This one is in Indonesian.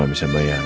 mama sudah senang